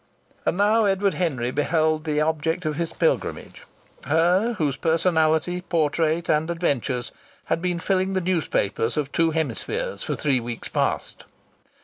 And now Edward Henry beheld the objective of his pilgrimage, her whose personality, portrait and adventures had been filling the newspapers of two hemispheres for three weeks past.